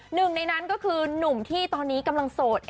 หนึ่งในนั้นก็คือหนุ่มที่ตอนนี้กำลังโสด